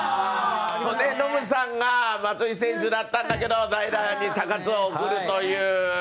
ノムさんが松井選手だったんだけど代打で、高津を送るという。